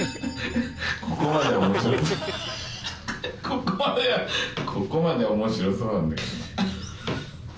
ここまではここまでは面白そうなんだけどな。